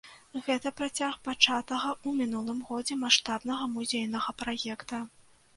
Гэта працяг пачатага ў мінулым годзе маштабнага музейнага праекта.